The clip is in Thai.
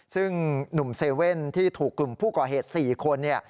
ซึ่งหนุ่มเซเว่นที่ถูกกลุ่มผู้ก่อเหตุ๔คน